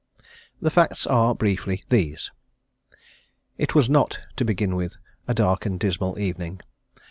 The facts are briefly these: It was not, to begin with, a dark and dismal evening.